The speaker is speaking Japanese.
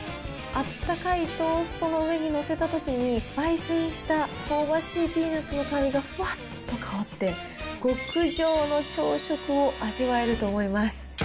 あったかいトーストの上に載せたときに、ばい煎した香ばしいピーナッツの香りがふわっと香って、極上の朝食を味わえると思います。